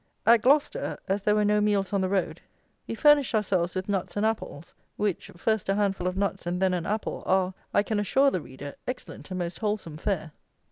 At Gloucester (as there were no meals on the road) we furnished ourselves with nuts and apples, which, first a handful of nuts and then an apple, are, I can assure the reader, excellent and most wholesome fare.